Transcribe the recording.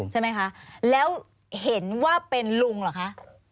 ใช่ไหมคะแล้วเห็นว่าเป็นลุงเหรอคะ